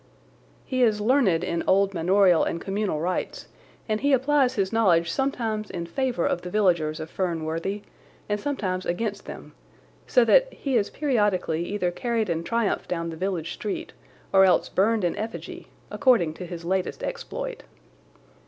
He is learned in old manorial and communal rights, and he applies his knowledge sometimes in favour of the villagers of Fernworthy and sometimes against them, so that he is periodically either carried in triumph down the village street or else burned in effigy, according to his latest exploit.